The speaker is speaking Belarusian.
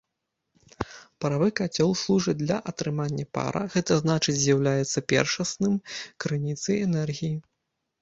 Паравы кацёл служыць для атрымання пара, гэта значыць з'яўляецца першасным крыніцай энергіі.